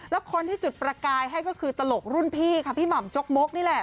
แล้วคนที่จุดประกายให้ก็คือตลกรุ่นพี่ค่ะพี่หม่ำจกมกนี่แหละ